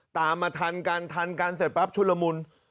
ตามมาทันกันเสร็จปั๊บช่วยละมุน